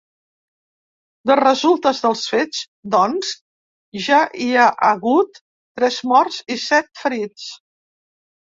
De resultes dels fets, doncs, ja hi ha hagut tres morts i set ferits.